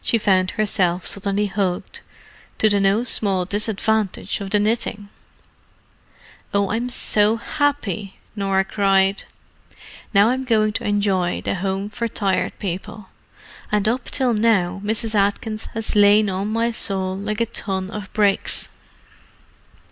She found herself suddenly hugged, to the no small disadvantage of the knitting. "Oh, I'm so happy!" Norah cried. "Now I'm going to enjoy the Home for Tired People: and up till now Mrs. Atkins has lain on my soul like a ton of bricks.